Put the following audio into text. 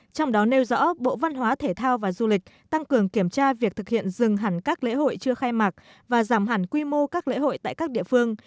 trong đó nêu rõ bộ văn hóa thể thao và du lịch tăng cường kiểm tra việc thực hiện dừng hẳn các lễ hội chưa khai mạc và giảm hẳn quy mô các lễ hội tại các địa phương